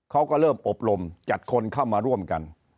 เขาก็เริ่มอบรมจัดคนเข้ามาร่วมกัน